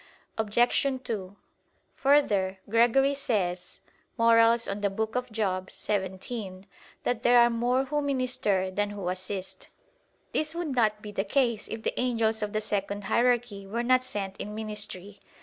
Obj. 2: Further, Gregory says (Moral. xvii) that "there are more who minister than who assist." This would not be the case if the angels of the second hierarchy were not sent in ministry.